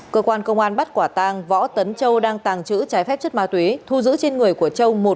cơ quan công an bắt quả tàng võ tấn châu đang tàng trữ trái phép chất ma túy thu giữ trên người của châu